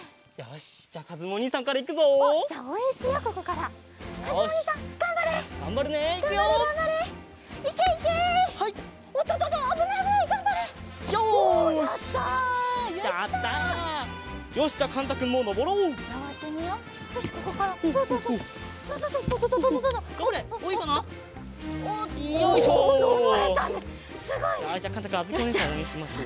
よしじゃあかんたくんあづきおねえさんおうえんしましょう。